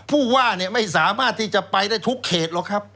ผู้ว่าไม่สามารถที่จะไปได้ทุกเขตหรอกครับ